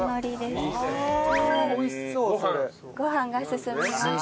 ご飯が進みます。